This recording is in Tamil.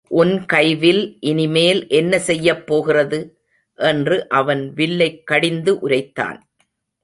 உன் கைவில் இனிமேல் என்ன செய்யப் போகிறது? என்று அவன் வில்லைக் கடிந்து உரைத்தான்.